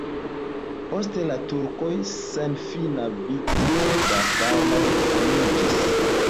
Post la turkoj senfina vico da farmoj formiĝis.